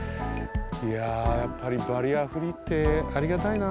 いややっぱりバリアフリーってありがたいな。